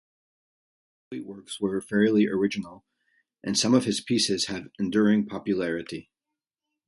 His early works were fairly original and some of his pieces have enduring popularity.